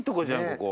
ここ。